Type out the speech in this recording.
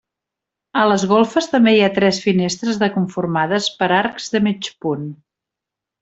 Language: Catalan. A les golfes també hi ha tres finestres de conformades per arcs de mig punt.